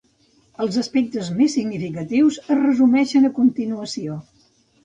Els aspectes més significatius es resumeixen a continuació.